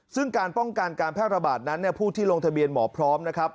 ซึ่งการป้องกันการแพร่ระบาดนั้นผู้ที่ลงทะเบียนหมอพร้อมนะครับ